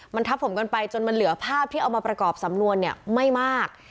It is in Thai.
มันทับผมกันไปจนมันเหลือภาพที่เอามาประกอบสำนวนเนี่ยไม่มาก